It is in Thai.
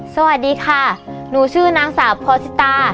สวัสดีค่ะหนูชื่อนางสาวพอสิตา